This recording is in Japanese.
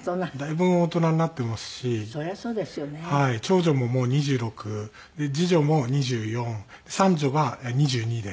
長女ももう２６次女も２４三女が２２で。